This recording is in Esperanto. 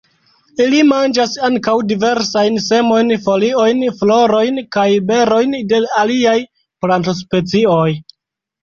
Ili manĝas ankaŭ diversajn semojn, foliojn, florojn kaj berojn de aliaj plantospecioj.